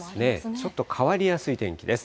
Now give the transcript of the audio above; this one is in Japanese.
ちょっと変わりやすい天気です。